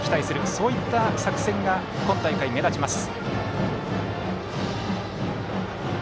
そういった作戦が今大会、目立ちます。